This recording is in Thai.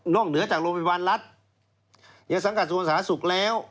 นอกเหนือจากโรงพยาบาลรัฐยังสังกัดส่วนสาศุกร์แล้ว